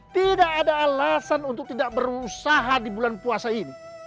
tidak ada alasan untuk tidak berusaha di bulan puasa ini